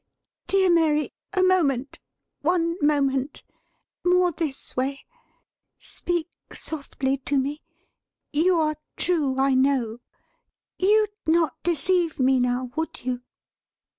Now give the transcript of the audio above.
"Dear Mary, a moment. One moment! More this way. Speak softly to me. You are true, I know. You'd not deceive me now; would you?"